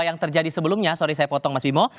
yang terjadi sebelumnya sorry saya potong mas bimo